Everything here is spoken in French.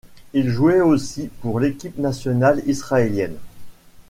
Il jouais aussi pour l'équipe nationale israélienne.